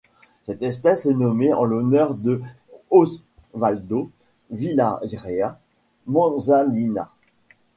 Cette espèce est nommée en l'honneur de Osvaldo Villarreal Manzanilla.